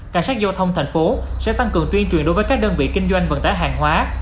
cảnh sát giao thông thành phố sẽ tăng cường tuyên truyền đối với các đơn vị kinh doanh vận tải hàng hóa